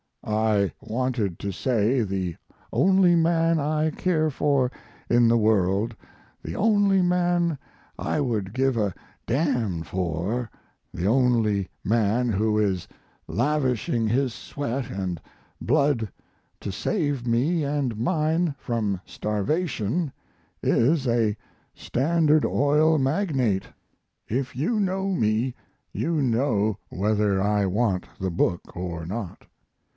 I wanted to say the only man I care for in the world, the only man I would give a d n for, the only man who is lavishing his sweat & blood to save me & mine from starvation is a Standard Oil magnate. If you know me, you know whether I want the book or not.